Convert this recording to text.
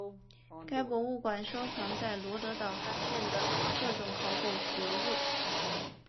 该博物馆收藏在罗得岛发现的各种考古文物。